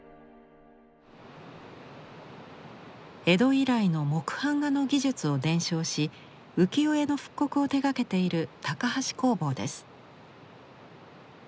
江戸以来の木版画の技術を伝承し浮世絵の復刻を手がけている高橋工房です。